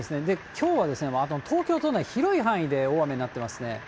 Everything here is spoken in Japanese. きょうは東京都内広い範囲で大雨になっていますね。